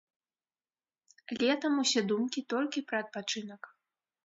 Летам усе думкі толькі пра адпачынак.